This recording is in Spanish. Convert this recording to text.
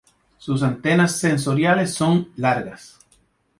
Sus antenas sensoriales son largas.